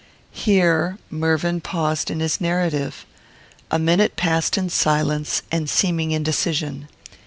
Here Mervyn paused in his narrative. A minute passed in silence and seeming indecision.